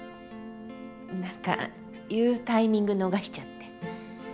なんか言うタイミング逃しちゃって。